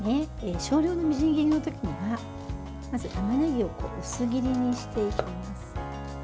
少量のみじん切りの時にはたまねぎを薄切りにしていきます。